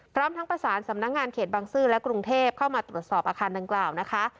พร้อมทั้งประสานสำนักงานเขตบังซื้อและกรุงเทพเข้ามาตรวจสอบอาคารดังกล่าวนะคะ